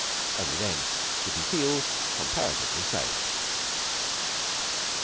Only then did he feel comparatively safe.